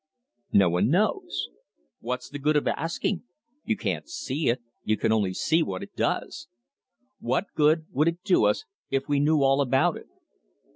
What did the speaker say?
No one knows. What's the good of asking? You can't see it: you can only see what it does. What good would it do us if we knew all about it?